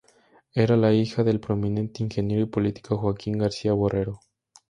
Era la hija del prominente ingeniero y político Joaquín García Borrero.